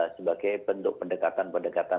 sebagai bentuk pendekatan pendekatan